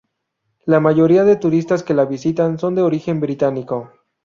La mayoría de turistas que la visitan son de origen británico.